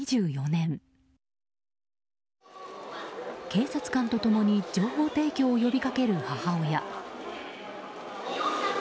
警察官と共に情報提供を呼びかける母親。